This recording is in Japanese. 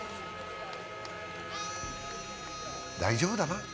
大丈夫だな。